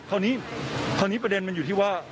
เภ้านี้ประเด็นอยู่ที่ว่า